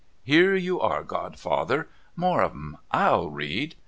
Here you are godfather ! More of 'em ! /'Il read.